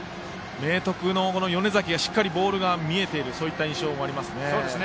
明徳の米崎がしっかりボールが見えている印象がありますね。